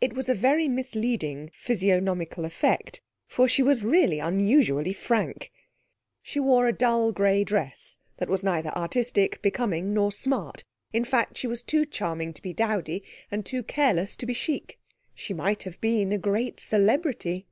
It was a very misleading physiognomical effect, for she was really unusually frank. She wore a dull grey dress that was neither artistic, becoming, nor smart. In fact, she was too charming to be dowdy, and too careless to be chic; she might have been a great celebrity.